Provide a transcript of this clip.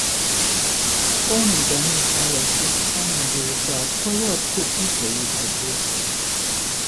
工人革命潮流是西班牙的一个托洛茨基主义组织。